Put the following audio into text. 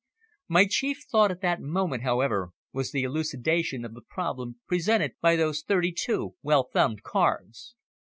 My chief thought at that moment, however, was the elucidation of the problem presented by those thirty two well thumbed cards.